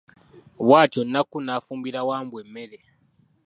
Bw'atyo Nakku n'afumbira Wambwa emmere.